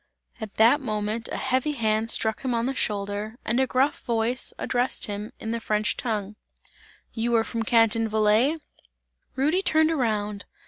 At that moment a heavy hand struck him on the shoulder, and a gruff voice addressed him in the French tongue: "You are from Canton Valais?" Rudy turned around.